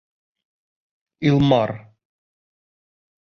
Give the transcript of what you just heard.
Илмар